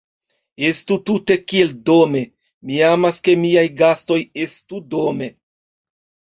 Estu tute kiel dome; mi amas, ke miaj gastoj estu dome!